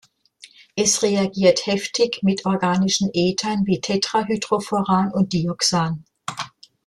Es reagiert heftig mit organischen Ethern wie Tetrahydrofuran und Dioxan.